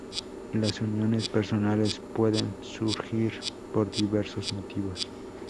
Las uniones personales pueden surgir por diversos motivos.